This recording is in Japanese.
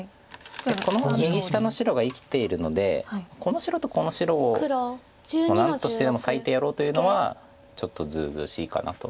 この右下の白が生きているのでこの白とこの白を何としてでも裂いてやろうというのはちょっとずうずうしいかなと。